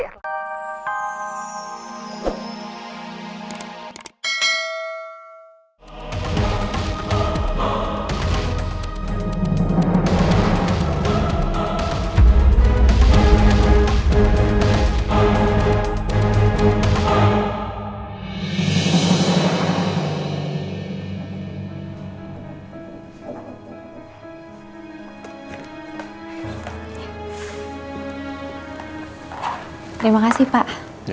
terima kasih pak